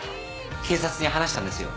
警察に話したんですよ。